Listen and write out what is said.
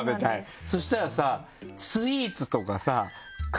そしたらさスイーツとかさ買えない？